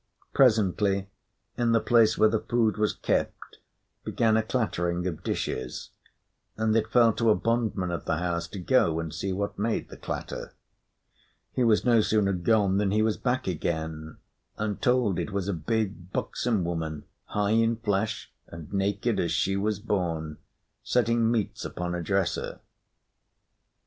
Presently, in the place where the food was kept, began a clattering of dishes; and it fell to a bondman of the house to go and see what made the clatter. He was no sooner gone than he was back again; and told it was a big, buxom woman, high in flesh and naked as she was born, setting meats upon a dresser.